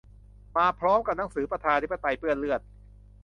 มาพร้อมกับหนังสือ "ประชาธิปไตยเปื้อนเลือด"